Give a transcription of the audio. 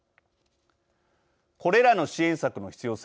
これらの支援策の必要性